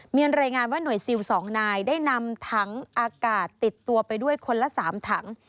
มีรายงานว่าหน่วยซิล๒นายได้นำถังอากาศติดตัวไปด้วยคนละ๓ถัง